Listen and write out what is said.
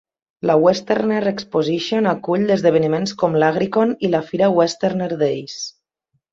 La Westerner Exposition acull esdeveniments com l'Agricon i la fira Westerner Days.